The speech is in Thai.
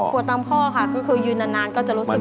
ตามข้อค่ะก็คือยืนนานก็จะรู้สึก